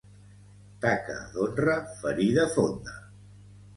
Taca d'honra, ferida fonda.